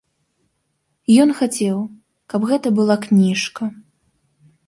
Ён хацеў, каб гэта была кніжка.